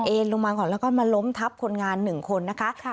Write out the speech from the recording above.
ลงมาก่อนแล้วก็มาล้มทับคนงาน๑คนนะคะ